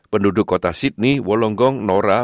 penduduk kota sydney wolonggong nora